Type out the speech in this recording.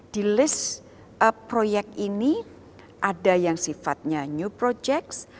di list proyek ini ada yang sifatnya new projects